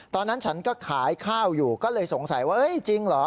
ตอนนั้นฉันก็ขายข้าวอยู่ก็เลยสงสัยว่าจริงเหรอ